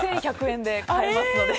１１００円で買えますので。